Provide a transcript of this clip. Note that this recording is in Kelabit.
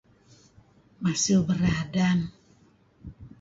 Masiew Bera Adan.